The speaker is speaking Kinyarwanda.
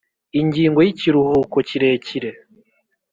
Ingingo Y Ikiruhuko Kirekire